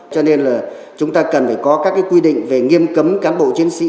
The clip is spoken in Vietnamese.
cho nên là chúng ta cần phải có các quy định về nghiêm cấm cán bộ chiến sĩ